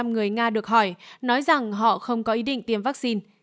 sáu mươi hai người nga được hỏi nói rằng họ không có ý định tiêm vaccine